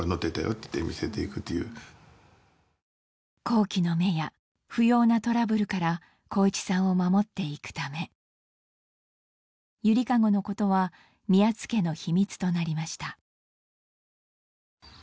好奇の目や不要なトラブルから航一さんを守っていくためゆりかごのことは宮津家の秘密となりました。